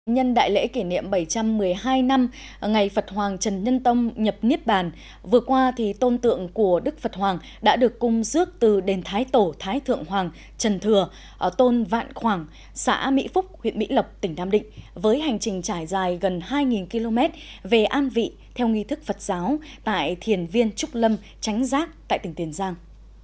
nhân đại lễ kỷ niệm bảy trăm một mươi hai năm ngày phật hoàng trần nhân tông nhập niết bàn vừa qua thì tôn tượng của đức phật hoàng đã được cung dước từ đền thái tổ thái thượng hoàng trần thừa tôn vạn khoảng xã mỹ phúc huyện mỹ lộc tỉnh nam định với hành trình trải dài gần hai km về an vị theo nghi thức phật giáo tại thiền viên trúc lâm tránh giác tại tỉnh tiền giang